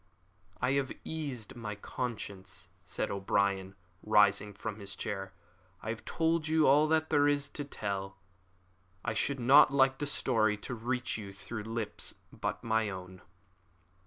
"I have eased my conscience," said O'Brien, rising from his chair; "I have told you all that there is to tell. I should not like the story to reach you through any lips but my own."